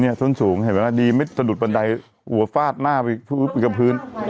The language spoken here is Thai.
ส้นสูงเห็นไหมล่ะดีไม่สะดุดบันไดหัวฟาดหน้าไปกับพื้น